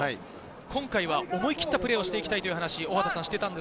今回は思い切ったプレーをしていきたいと話をしていました。